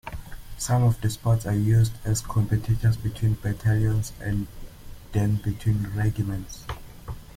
Some of these sports are used as competitions between battalions and then between regiments.